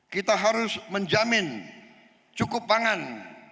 kita harus menjamin cukup pangan